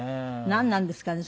なんなんですかね？